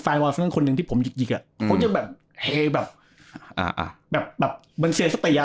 คนหนึ่งที่ผมหยิกอ่ะเขาจะแบบเฮแบบเหมือนเสียสติอ่ะ